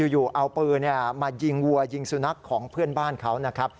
อยู่เอาปืนมายิงวัวยิงสุนัขของเพื่อนบ้านเขานะครับ